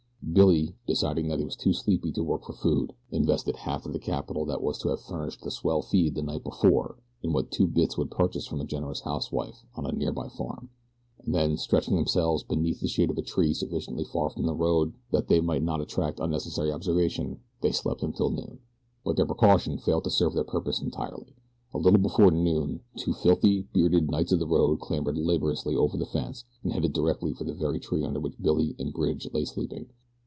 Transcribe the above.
Billy, deciding that he was too sleepy to work for food, invested half of the capital that was to have furnished the swell feed the night before in what two bits would purchase from a generous housewife on a near by farm, and then, stretching themselves beneath the shade of a tree sufficiently far from the road that they might not attract unnecessary observation, they slept until after noon. But their precaution failed to serve their purpose entirely. A little before noon two filthy, bearded knights of the road clambered laboriously over the fence and headed directly for the very tree under which Billy and Bridge lay sleeping.